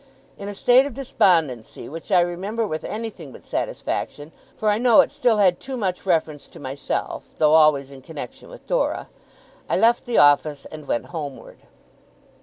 In a state of despondency, which I remember with anything but satisfaction, for I know it still had too much reference to myself (though always in connexion with Dora), I left the office, and went homeward.